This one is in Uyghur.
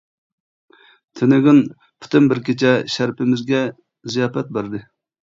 تۈنۈگۈن پۈتۈن بىر كېچە شەرىپىمىزگە زىياپەت بەردى.